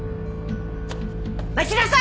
待ちなさい！